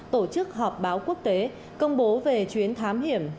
tổ chức họp báo quốc tế công bố về chuyến thám hiểm